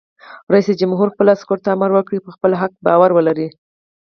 رئیس جمهور خپلو عسکرو ته امر وکړ؛ پر خپل حق باور ولرئ!